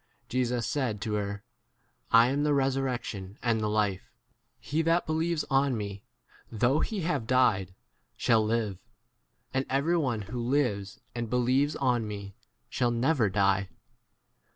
Jesns said to her, I ' am the resurrection and the life : he that believes on me, though he have died, shall live j 26 and every one who lives and be lieves on me shall never die.